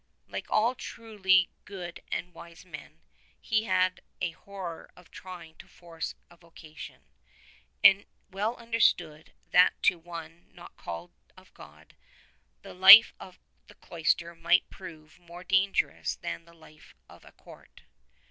Like all truly good and wise men, he had a horror of trying to force a vocation, and well understood, that to one not called of God, the life of the cloister might prove more dangerous than the life of a Court.